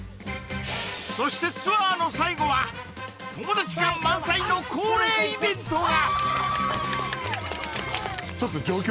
そしてツアーの最後は友達感満載の恒例イベントが！